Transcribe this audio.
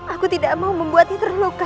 aku tidak mau membuatnya terluka